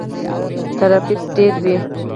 ترافیک ډیر وي.